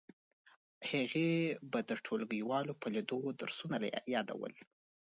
هغې به د ټولګیوالو په لیدو درسونه یادول